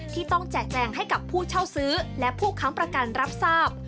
ที่ต้องแจกแจงให้กับผู้เช่าซื้อและผู้ค้ำประกันรับทราบ